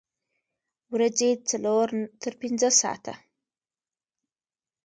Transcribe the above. ورځې څلور تر پنځه ساعته